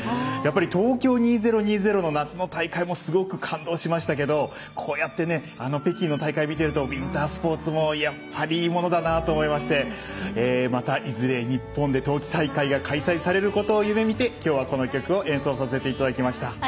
やっぱり、東京２０２０の夏の大会すごく感動しましたけどこうやって北京の大会を見ているとウインタースポーツも、やっぱりいいものだなと思いましてまたいずれ、日本でも冬季大会が開催されることを夢みてきょうはこの曲を演奏させていただきました。